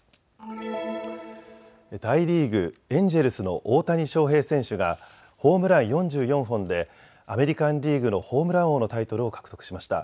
大リーグ、エンジェルスの大谷翔平選手がホームラン４４本でアメリカンリーグのホームラン王のタイトルを獲得しました。